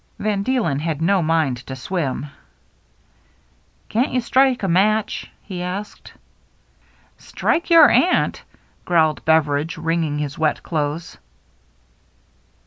Van Deelen had no mind to swim. " Can't you strike a match ?" he asked. " Strike your aunt !" growled Beveridge, wringing his wet clothes.